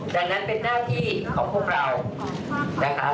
ดังนั้นเป็นหน้าที่ของพวกเรานะคะ